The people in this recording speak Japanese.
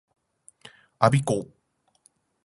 我孫子